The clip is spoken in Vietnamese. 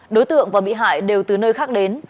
đối tượng và bị hại đều từ nơi khác đến